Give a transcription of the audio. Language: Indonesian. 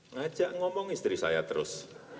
ngajak ngomong istri saya terus